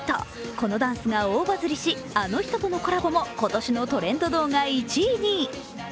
このダンスが大バズりしあの人とのコラボも今年のトレンド動画１位に。